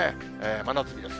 真夏日です。